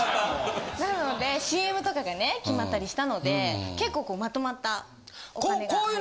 なのでＣＭとかがね決まったりしたので結構まとまったお金が入って。